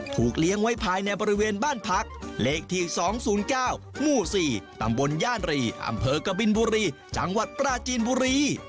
เลี้ยงไว้ภายในบริเวณบ้านพักเลขที่๒๐๙หมู่๔ตำบลย่านรีอำเภอกบินบุรีจังหวัดปราจีนบุรี